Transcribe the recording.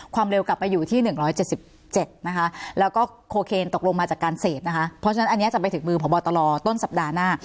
ความเร็วกลับไปอยู่ที่หนึ่งร้อยเจ็ดสิบเจ็ดนะคะแล้วก็โคเคนตกลงมาจากการเสพนะคะเพราะฉะนั้นอันเนี้ยจะไปถึงมือผ่อบอตรต้นสัปดาห์หน้า